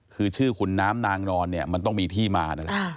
คือชื่อคุณน้ำนางนอนมันต้องมีที่มา